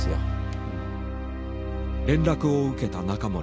連絡を受けた仲盛。